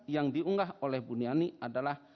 yang diunggah oleh buniani adalah